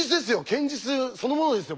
堅実そのものですよ